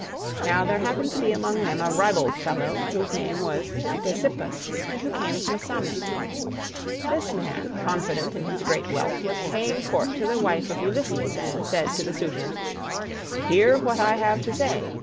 Now there happened to be among them a ribald fellow, whose name was Ctesippus, and who came from Same. This man, confident in his great wealth, was paying court to the wife of Ulysses, and said to the suitors, "Hear what I have to say.